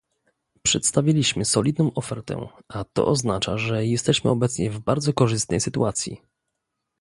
Przedstawiliśmy solidną ofertę, a to oznacza, że jesteśmy obecnie w bardzo korzystnej sytuacji